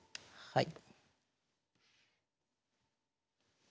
はい。